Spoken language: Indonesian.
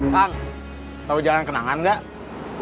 kang tahu jalan kenangan gak